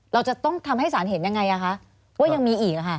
เราจะต้องทำให้สารเห็นยังไงคะว่ายังมีอีก